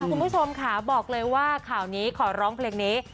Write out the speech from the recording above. คุณผู้ชมค่ะบอกเลยว่าข่าวนี้ขอร้องเพลงนี้